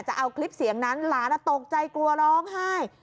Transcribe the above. จะเอาคลิปเสียงนั้นหลานตกใจกลัวร้องไห้